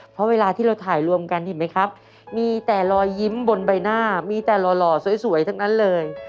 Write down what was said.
เพราะเวลาที่เราถ่ายรวมกันเห็นไหมครับมีแต่รอยยิ้มบนใบหน้ามีแต่หล่อสวยทั้งนั้นเลย